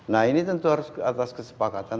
nah ini tentu harus atas kesepakatan